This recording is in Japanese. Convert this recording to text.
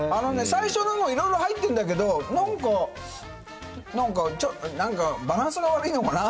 最初のもいろいろ入ってるんだけど、なんか、なんか、なんかバランスが悪いのかな。